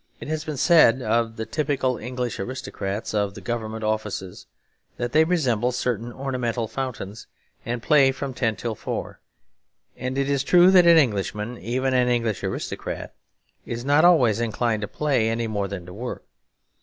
It has been said of the typical English aristocrats of the Government offices that they resemble certain ornamental fountains and play from ten till four; and it is true that an Englishman, even an English aristocrat, is not always inclined to play any more than to work.